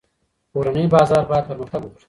کورني بازار باید پرمختګ وکړي.